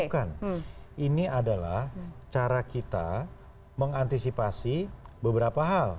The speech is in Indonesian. bukan ini adalah cara kita mengantisipasi beberapa hal